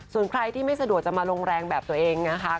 ส่วนใครที่ไม่สะดวกจะมาลงแรงแบบตัวเองนะคะ